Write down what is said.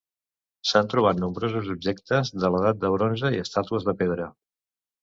S'han trobat nombrosos objectes de l'edat del bronze i estàtues de pedra.